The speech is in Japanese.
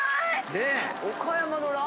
ねえ！